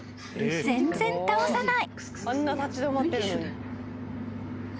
全然倒さない］